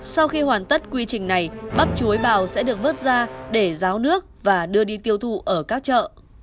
sau khi hoàn tất quy trình này bắp chuối bào sẽ được vớt ra để ráo nước và đưa đi tiêu thụ ở các chợ